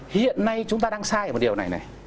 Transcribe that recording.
hiện nay chúng ta đang sai một điều này này